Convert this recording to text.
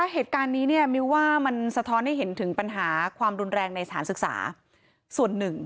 เหตุการณ์นี้มิวว่ามันสะท้อนให้เห็นถึงปัญหาความรุนแรงในสถานศึกษาส่วนหนึ่ง